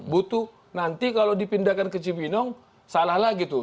butuh nanti kalau dipindahkan ke cibinong salah lagi tuh